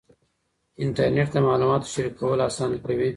انټرنېټ د معلوماتو شریکول اسانه کوي.